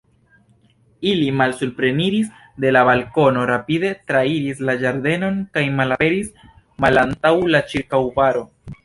Ili malsupreniris de la balkono, rapide trairis la ĝardenon kaj malaperis malantaŭ la ĉirkaŭbaro.